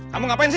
kamu ngapain sih